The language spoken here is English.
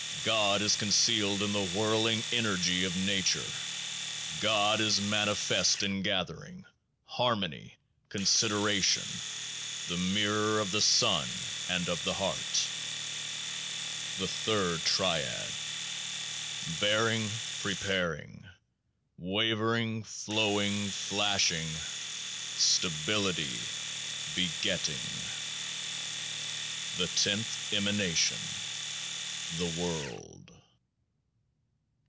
GOD is concealed in the whirling energy of Nature. GOD is manifest in gathering : harmony : con sideration : the Mirror of the Sun and of the Heart. The Third Triad Bearing : preparing. Wavering : flowing : flashing. Stability : begetting. The Tenth Emanation The world.